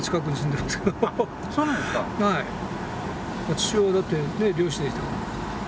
父親はだってね漁師でしたから。